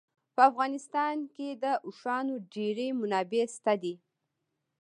په افغانستان کې د اوښانو ډېرې منابع شته دي.